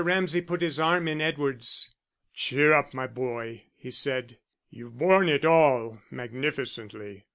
Ramsay put his arm in Edward's. "Cheer up, my boy," he said. "You've borne it all magnificently.